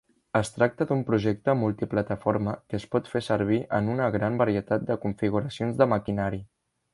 Es tracta d'un projecte multiplataforma que es pot fer servir en una gran varietat de configuracions de maquinari.